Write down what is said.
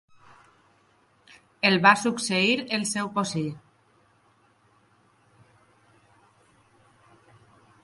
El va succeir el seu cosí.